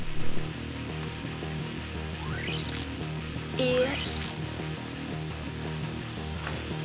いいえ。